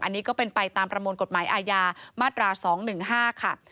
อันนี้ก็เป็นไปตามประมวลกฎหมายอาญามาตรา๒๑๕ค่ะ